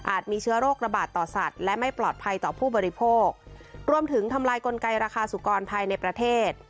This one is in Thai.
มีเชื้อโรคระบาดต่อสัตว์และไม่ปลอดภัยต่อผู้บริโภครวมถึงทำลายกลไกราคาสุกรภายในประเทศ